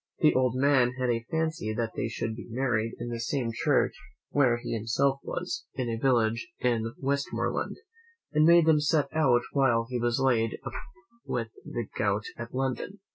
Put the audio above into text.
The old man had a fancy that they should be married in the same church where he himself was, in a village in Westmoreland, and made them set out while he was laid up with the gout at London.